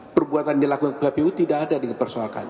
perbuatan yang dilakukan oleh kpu tidak ada yang dipersoalkan